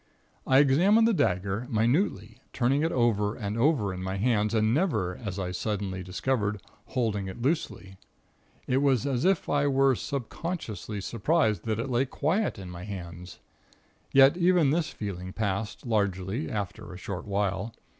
"I examined the dagger, minutely, turning it over and over in my hands and never as I suddenly discovered holding it loosely. It was as if I were subconsciously surprised that it lay quiet in my hands. Yet even this feeling passed, largely, after a short while.